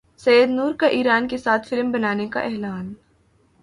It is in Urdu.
سید نور کا ایران کے ساتھ فلم بنانے کا اعلان